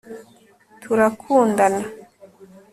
turakundana